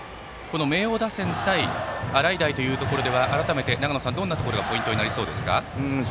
明桜打線対洗平というところでは改めて長野さん、どんなところがポイントになりそうですか。